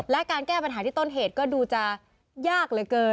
และการแก้ปัญหาที่ต้นเหตุก็ดูจะยากเหลือเกิน